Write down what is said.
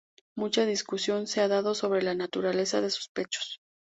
Mucha discusión se ha dado sobre la naturaleza de sus pechos.